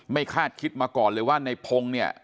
คาดคิดมาก่อนเลยว่าในพงศ์เนี่ย